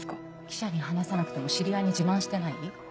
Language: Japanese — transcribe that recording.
記者に話さなくても知り合いに自慢してない？